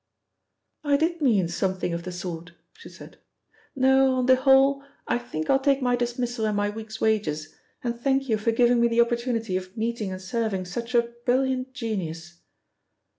"I did mean something of the sort," she said. "No, on the whole, I think I'll take my dismissal and my week's wages, and thank you for giving me the opportunity of meeting and serving such a brilliant genius."